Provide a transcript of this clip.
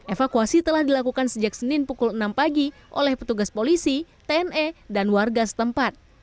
evakuasi telah dilakukan sejak senin pukul enam pagi oleh petugas polisi tni dan warga setempat